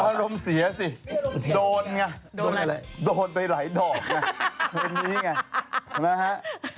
โอ้ค่ะรออรมเสียสิโดนไงโดนไปไหล่ดอกนะวันนี้ไง